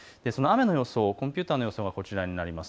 コンピューターの予想がこちらです。